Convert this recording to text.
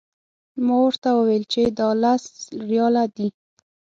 ما ورته وویل چې دا لس ریاله دي.